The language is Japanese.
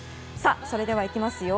それではいきますよ